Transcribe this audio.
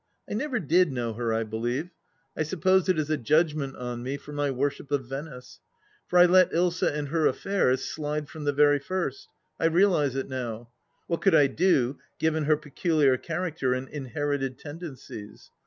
I never did know her, I believe. I suppose it is a judgment on me for my worship of Venice. For I let Ilsa and her affairs slide from the very first ; I realize it now. What could I do, given her peculiar character and inherited tendencies